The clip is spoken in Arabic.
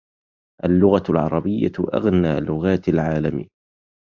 اللغة العربية أغنى لغات العالم.